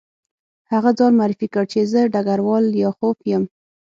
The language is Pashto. هغه ځان معرفي کړ چې زه ډګروال لیاخوف یم